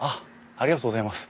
ありがとうございます。